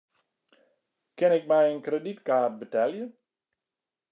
Kin ik mei in kredytkaart betelje?